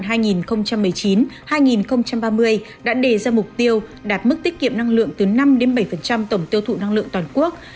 chương trình quốc gia về sử dụng năng lượng tiết kiệm và hiệu quả giai đoạn hai nghìn một mươi chín hai nghìn ba mươi đã đề ra mục tiêu đạt mức tiết kiệm năng lượng từ năm bảy tổng tiêu thụ năng lượng toàn quốc